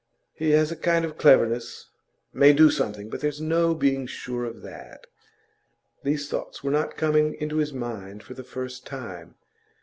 He has a kind of cleverness, may do something; but there's no being sure of that.' These thoughts were not coming into his mind for the first time.